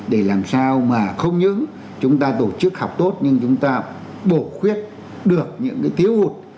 để làm sao mà không những chúng ta tổ chức học tốt nhưng chúng ta bổ khuyết được những cái thiếu hụt